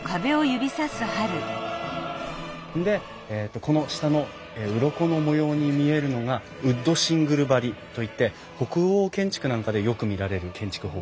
でこの下のうろこの模様に見えるのがウッドシングル張りといって北欧建築なんかでよく見られる建築方法ですね。